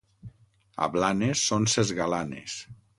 A Blanes són ses galanes.